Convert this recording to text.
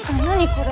これ。